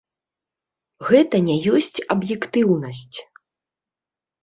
Гэта не ёсць аб'ектыўнасць.